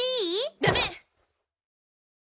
ダメ！！